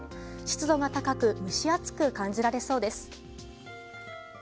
湿度が高く蒸し暑く感じられそうです。